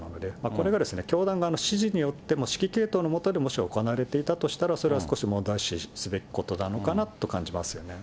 これが教団の指示によって、指揮系統の下でもし行われていたとしたら、それは少し問題視すべきことなのかなと感じますよね。